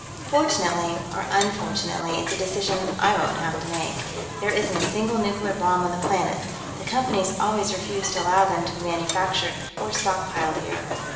Fortunately, or unfortunately, it's a decision I won't have to make. There isn't a single nuclear bomb on the planet. The Company's always refused to allow them to be manufactured or stockpiled here."